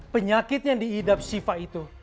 penyakit yang diidap sifa itu